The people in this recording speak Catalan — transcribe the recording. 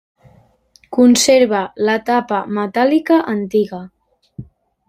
Conserva la tapa metàl·lica antiga.